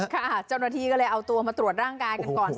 เจ้าหน้าที่ก็เลยเอาตัวมาตรวจร่างกายกันก่อน